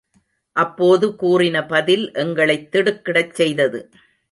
அப்போது கூறின பதில் எங்களைத் திடுக்கிடச் செய்தது.